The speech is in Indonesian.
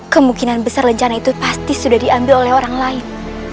kemungkinan besar rencana itu pasti sudah diambil oleh orang lain